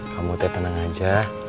kamu teh tenang aja